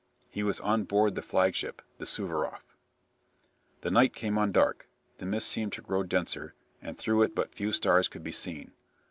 He was on board the flagship, the "Suvaroff": "The night came on dark. The mist seemed to grow denser, and through it but few stars could be seen.